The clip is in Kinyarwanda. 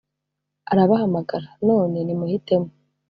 Arabahamagara: None, nimuhitemo!